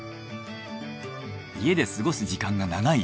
家で過ごす時間が長い